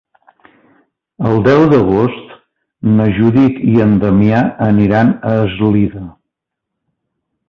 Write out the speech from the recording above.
El deu d'agost na Judit i en Damià aniran a Eslida.